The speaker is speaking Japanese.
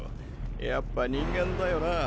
やっぱ人間だよなぁ